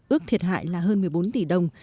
ước thiệt hại là hơn một mươi bốn tỷ đồng